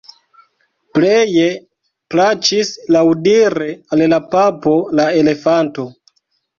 Pleje plaĉis laŭdire al la papo la elefanto.